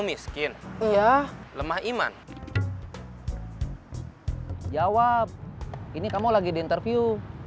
bukan gak mau